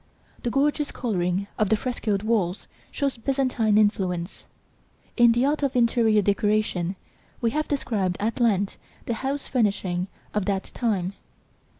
The gorgeous colouring of the frescoed walls shows Byzantine influence. In The Art of Interior Decoration we have described at length the house furnishing of that time.